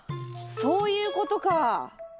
そういうことか。